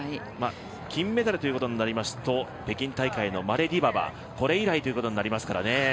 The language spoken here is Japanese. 金メダルということになりますと北京大会以来ということになりますからね。